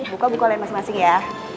buka buku lain masing masing ya